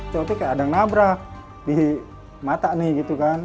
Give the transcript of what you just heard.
contohnya kayak ada nabra di mata nih gitu kan